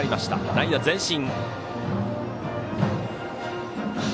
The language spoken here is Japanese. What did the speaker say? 内野前進。